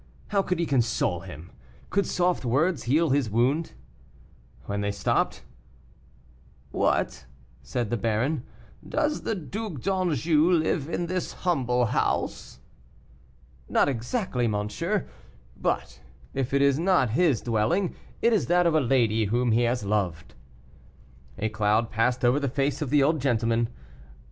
How could he console him? Could soft words heal his wound? When they stopped, "What," said the baron, "does the Duc d'Anjou live in this humble house?" "Not exactly, monsieur, but if it is not his dwelling, it is that of a lady whom he has loved." A cloud passed over the face of the old gentleman.